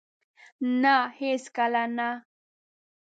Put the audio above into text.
نه! هیڅکله نه